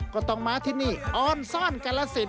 ก็ต้องมาที่นี่ออนซ่อนกาลสิน